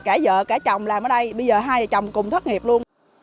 kể vợ kể chồng làm ở đây bây giờ hai chồng cùng thất nghiệp luôn